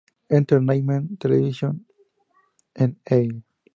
Entertainment Television, en E!